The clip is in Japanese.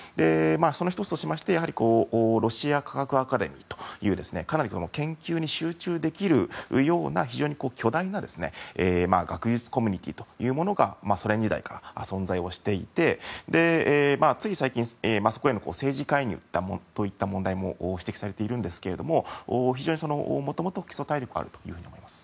その１つとしてロシア科学アカデミーというかなり研究に集中できるような非常に巨大な学術コミュニティーというものがソ連時代から存在をしていてつい最近、政治介入といった問題も指摘されているんですけど非常にもともと基礎体力があると思います。